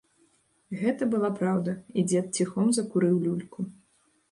Гэта была праўда, і дзед ціхом закурыў люльку.